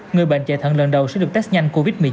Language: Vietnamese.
người bệnh chạy thận lần đầu sẽ được chạy thận